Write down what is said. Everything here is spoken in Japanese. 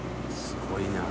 すごいな。